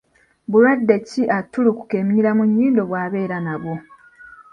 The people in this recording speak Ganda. Bulwadde ki attulukuka eminyira mu nnyindo bwabeera nabwo?